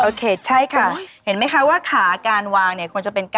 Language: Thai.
โอเคใช่ค่ะเห็นไหมคะว่าขาการวางจะเป็น๙๐